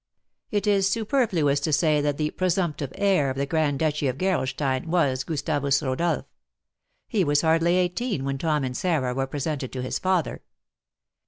It is superfluous to say that the presumptive heir of the Grand Duchy of Gerolstein was Gustavus Rodolph: he was hardly eighteen when Tom and Sarah were presented to his father.